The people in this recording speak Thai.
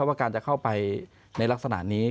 ว่าการจะเข้าไปในลักษณะนี้